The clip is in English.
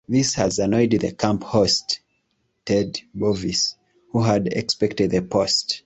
This has annoyed the camp host, Ted Bovis, who had expected the post.